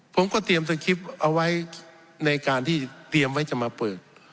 ผมก็เตรียมสคริปต์เอาไว้ในการที่เตรียมไว้จะมาเปิด